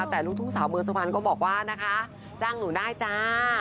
แต่ลูกทุ่งสาวเมืองสุพรรณก็บอกว่านะคะจ้างหนูได้จ้า